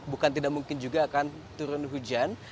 bukan tidak mungkin juga akan turun hujan